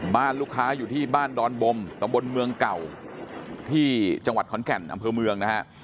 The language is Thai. บ้านลูกค้าอยู่ที่บ้านดอนบมตะบนเมืองเก่าที่จังหวัดขอนแก่นอำเภอเมืองนะฮะ